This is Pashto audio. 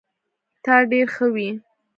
تا ډير ښه وي